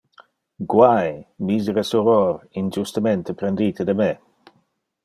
Guai! Misere soror, injustemente prendite de me!